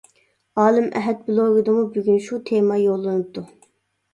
ئالىم ئەھەت بىلوگىدىمۇ بۈگۈن شۇ تېما يوللىنىپتۇ.